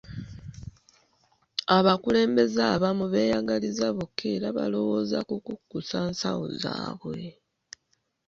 Abakulembeze abamu beeyagaliza bokka era balowooza ku kukkusa nsawo zaabwe.